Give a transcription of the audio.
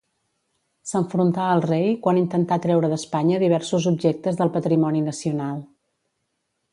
S'enfrontà al rei quan intentà treure d'Espanya diversos objectes del patrimoni nacional.